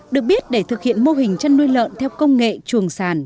được biết để thực hiện mô hình chăn nuôi lợn theo công nghệ chuồng sàn